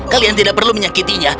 kalian tidak perlu menyakitinya